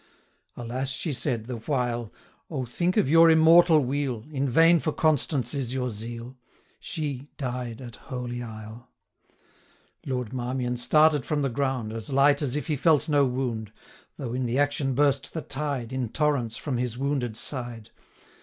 'Alas!' she said, 'the while, O, think of your immortal weal! In vain for Constance is your zeal; She died at Holy Isle.' 945 Lord Marmion started from the ground, As light as if he felt no wound; Though in the action burst the tide, In torrents, from his wounded side.